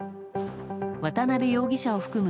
渡辺容疑者を含む